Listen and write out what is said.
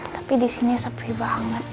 tapi disini sepri banget